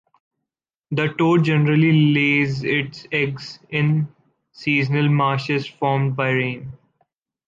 The toad generally lays its eggs in seasonal marshes formed by rain.